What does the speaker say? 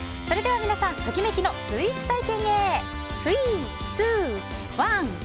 それでは皆さんときめきのスイーツ体験へスイー、ツー、ワン！